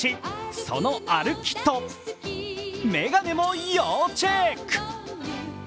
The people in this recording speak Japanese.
その歩きと眼鏡も要チェック。